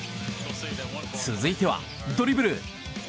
続いてはドリブル。